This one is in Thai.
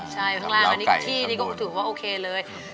ใช่ที่นี่ก็ถือว่าโอเคเลย